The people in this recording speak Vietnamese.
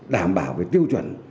đảm bảo về tiêu chuẩn